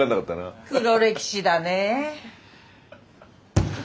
黒歴史だね。